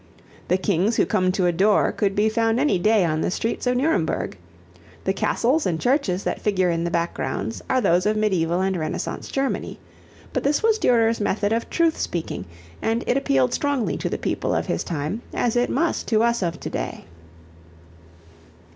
The kings who come to adore could be found any day on the streets of Nuremberg. The castles and churches that figure in the backgrounds are those of mediæval and renaissance Germany. But this was Durer's method of truth speaking and it appealed strongly to the people of his time as it must to us of to day.